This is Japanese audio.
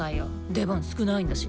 出番少ないんだし。